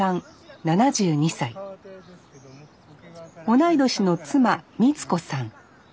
同い年の妻光子さん。